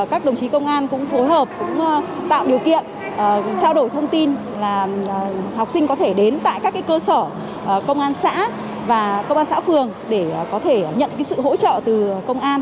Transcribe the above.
các đồng chí công an cũng phối hợp cũng tạo điều kiện trao đổi thông tin là học sinh có thể đến tại các cơ sở công an xã và công an xã phường để có thể nhận sự hỗ trợ từ công an